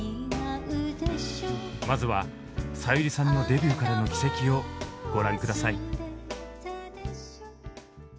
まずはさゆりさんのデビューからの軌跡をご覧下さい。